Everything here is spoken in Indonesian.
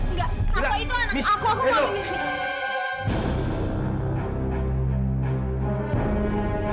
enggak aku itu anak aku aku mau